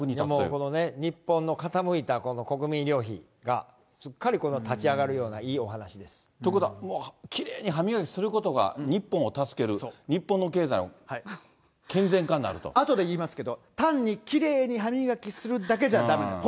このね、日本の傾いた国民医療費がすっかりこの立ち上がるような、いいおということは、きれいに歯磨きすることが日本を助ける、あとで言いますけど、単にきれいに歯磨きするだけじゃだめなんです。